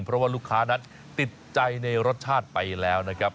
เพราะว่าลูกค้านั้นติดใจในรสชาติไปแล้วนะครับ